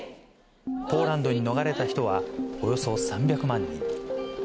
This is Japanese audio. ポーランドに逃れた人は、およそ３００万人。